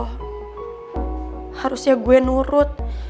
harusnya gue nurut